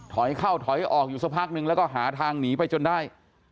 ถอยเข้าถอยออกอยู่สักพักนึงแล้วก็หาทางหนีไปจนได้